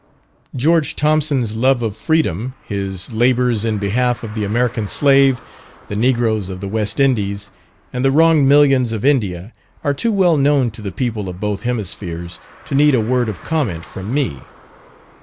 George Thompson's love of freedom, his labours in behalf of the American slave, the negroes of the West Indies, and the wronged millions of India, are too well known to the people of both hemispheres, to need a word of comment from me.